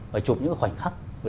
và chụp những khoảnh khắc